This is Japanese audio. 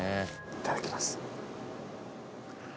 いただきます。